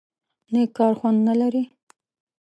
_نېک کار خوند نه لري؟